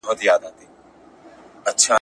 نجونې حق لري.